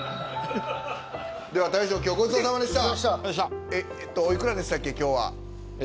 では大将今日ごちそうさまでした！